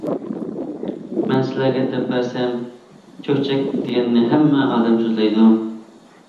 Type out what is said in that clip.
مەن سىلەرگە دەپ بەرسەم چۆچەك دېگەننى ھەممە ئادەم سۆزلەيدۇ.